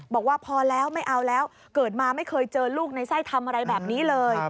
บอกว่าพอแล้วไม่เอาแล้วเกิดมาไม่เคยเจอลูกในไส้ทำอะไรแบบนี้เลย